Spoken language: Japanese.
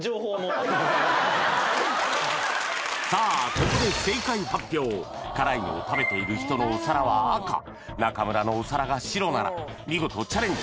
ここで辛いのを食べている人のお皿は赤中村のお皿が白なら見事チャレンジ